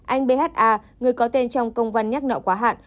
anh bha người có tên trong công văn nhắc nợ quá hạn